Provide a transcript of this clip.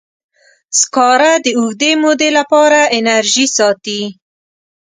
سکاره د اوږدې مودې لپاره انرژي ساتي.